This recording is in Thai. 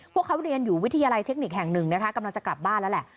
พวกเขาเรียนอยู่วิทยาลัยเทคนิคแห่งหนึ่งนะคะกำลังจะกลับบ้านแล้วแหละ